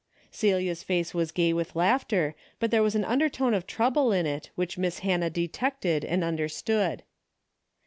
" Celia's face was gay with laughter, but there was an undertone of trouble in it which Miss Hannah detected and understood.